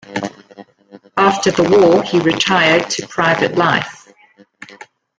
After the war he retired to private life.